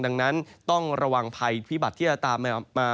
ดังนั้นต้องระวังภัยพิบัติที่จะตามมา